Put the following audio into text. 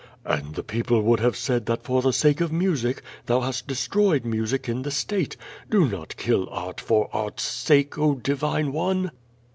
"And the people would have said that for the sake of music thou hast destroyed music in the State. Do not kill art for art's sake, oh, divine one!''